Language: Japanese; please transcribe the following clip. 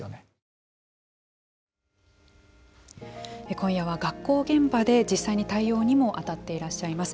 今夜は学校現場で実際に対応にも当たっていらっしゃいます